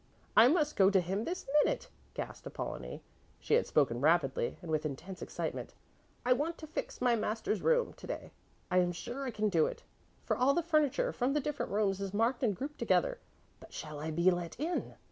"I must go to him this minute," gasped Apollonie; she had spoken rapidly and with intense excitement. "I want to fix my master's room to day. I am sure I can do it, for all the furniture from the different rooms is marked and grouped together. But shall I be let in?